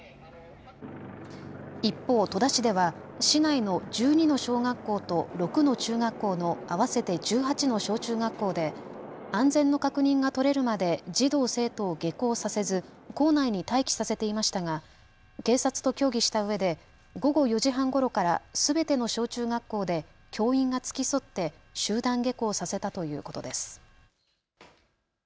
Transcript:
一方、戸田市では市内の１２の小学校と６の中学校の合わせて１８の小中学校で安全の確認が取れるまで児童、生徒を下校させず校内に待機させていましたが警察と協議したうえで午後４時半ごろからすべての小中学校で教員が付き添って集団下校させたということです。